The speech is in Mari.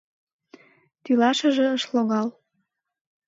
Тӱлашыже ыш логал.